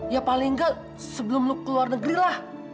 ya paling nggak sebelum lo keluar negeri lah